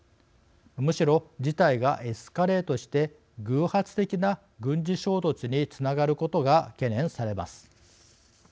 むしろ事態がエスカレートして偶発的な軍事衝突につながることが懸念されます。